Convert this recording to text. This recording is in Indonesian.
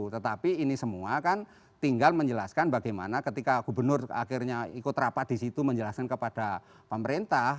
tetapi ini semua kan tinggal menjelaskan bagaimana ketika gubernur akhirnya ikut rapat di situ menjelaskan kepada pemerintah